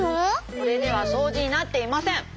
これではそうじになっていません！